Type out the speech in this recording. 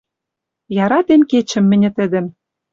Яратем кечӹм мӹньӹ тӹдӹм